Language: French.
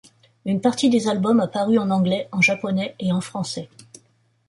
Une partie des albums a paru en anglais, en japonais et en français.